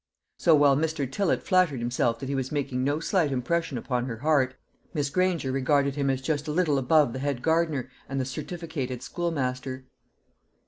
So while Mr. Tillott flattered himself that he was making no slight impression upon her heart, Miss Granger regarded him as just a little above the head gardener and the certificated schoolmaster.